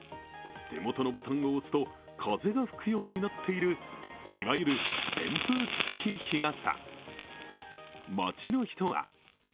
手元のボタンを押すと風が吹くようになっている、いわゆる扇風機付き日傘。